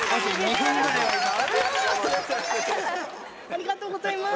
ありがとうございます！